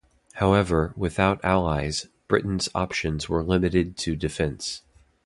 However without allies, Britain's options were limited to defence.